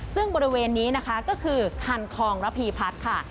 ซึ่งบริเวณนี้นะคะก็คือคันคองระพีพัฒน์ค่ะ